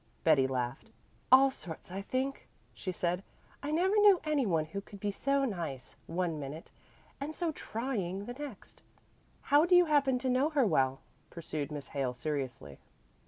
Betty laughed. "All sorts, I think," she said. "I never knew any one who could be so nice one minute and so trying the next." "How do you happen to know her well?" pursued Miss Hale seriously.